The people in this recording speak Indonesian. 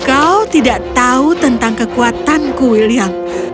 kau tidak tahu tentang kekuatan ku william